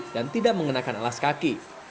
dan tidak mengenakan alas kaki